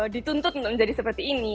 dituntut untuk menjadi seperti ini